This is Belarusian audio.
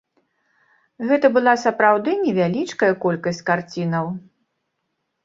Гэта была сапраўды невялічкая колькасць карцінаў.